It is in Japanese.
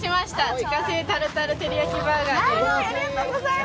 自家製タルタルテリヤキバーガーです。